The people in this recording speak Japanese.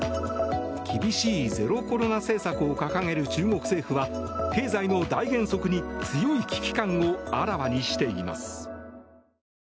厳しいゼロコロナ政策を掲げる中国政府は経済の大減速に、強い危機感をあらわにしています。